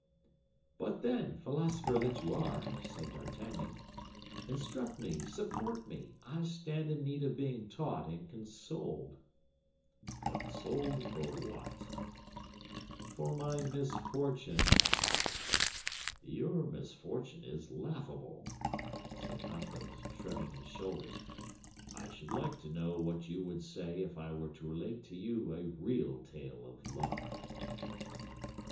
"But then, philosopher that you are," said D'Artagnan, "instruct me, support me. I stand in need of being taught and consoled." "Consoled for what?" "For my misfortune." "Your misfortune is laughable," said Athos, shrugging his shoulders; "I should like to know what you would say if I were to relate to you a real tale of love!"